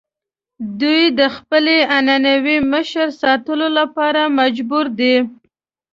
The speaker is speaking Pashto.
دوی د خپلې عنعنوي مشرۍ ساتلو لپاره مجبور دي.